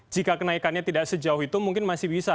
jika kenaikannya tidak sejauh itu mungkin masih bisa